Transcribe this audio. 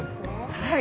はい。